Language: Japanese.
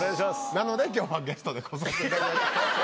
なので、きょうはゲストで来させていただいて。